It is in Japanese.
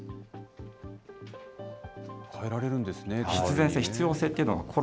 変えられるんですね。